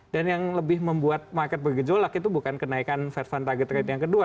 dan yang lebih membuat market bergejolak itu bukan kenaikan fed fund target rate yang kedua